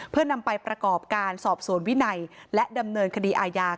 เพื่อนำไปประกอบการสอบสวนวินัยและดำเนินคดีอาญา